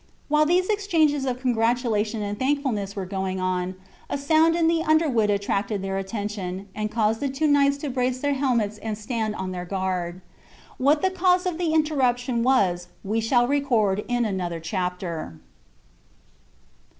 While these exchanges of congratulation and thankfulness were going on, a sound in the underwood attracted their attention, and caused the two knights to brace their helmets and stand on their guard. What the cause of the interruption was we shall record in another chapter.